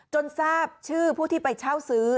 ทราบชื่อผู้ที่ไปเช่าซื้อ